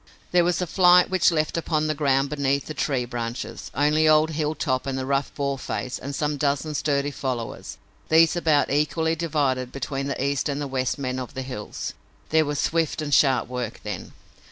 There was a flight which left upon the ground beneath the tree branches only old Hilltop and the rough Boarface and some dozen sturdy followers, these about equally divided between the East and the West men of the hills. There was swift and sharp work then.